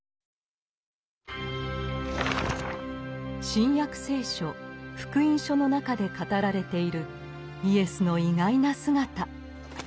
「新約聖書福音書」の中で語られているイエスの意外な姿。